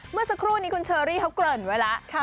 เมื่อสักครู่นี้คุณเชอรี่เขาเกริ่นไว้แล้ว